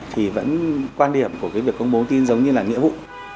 thì vẫn quan điểm của việc công bố thông tin giống như là nghĩa vụ